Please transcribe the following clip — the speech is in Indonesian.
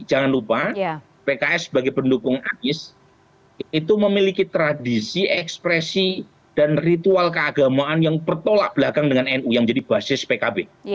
jangan lupa pks sebagai pendukung anies itu memiliki tradisi ekspresi dan ritual keagamaan yang bertolak belakang dengan nu yang jadi basis pkb